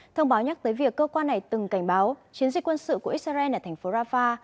thông báo nhắc tới việc cơ quan này từng cảnh báo chiến dịch quân sự của israel ở thành phố rafah